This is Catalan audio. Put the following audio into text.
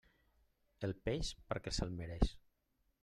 El peix, per a qui se'l mereix.